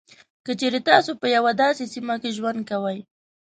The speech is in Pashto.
که چېري تاسو په یوه داسې سیمه کې ژوند کوئ.